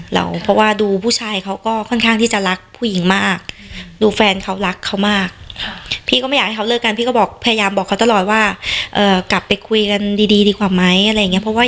เราเพราะว่าดูผู้ชายเขาก็ค่อนข้างที่จะรักผู้หญิงมากดูแฟนเขารักเขามากพี่ก็ไม่อยากให้เขาเลิกกันพี่ก็บอกพยายามบอกเขาตลอดว่ากลับไปคุยกันดีดีดีกว่าไหมอะไรอย่างเงี้เพราะว่า